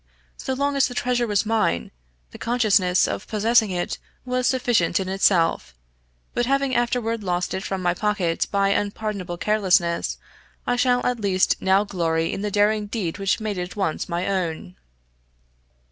So long as the treasure was mine, the consciousness of possessing it was sufficient in itself but having afterward lost it from my pocket by unpardonable carelessness, I shall at least now glory in the daring deed which made it once my own."